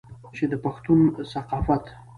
چې د پښتون ثقافت